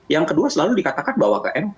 yang kedua selalu dikatakan bahwa ke mk